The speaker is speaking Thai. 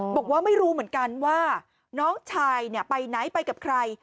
บอกว่าไม่รู้เหมือนกันว่าน้องชายไปไหนไปกับใคร